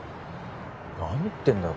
何言ってんだよ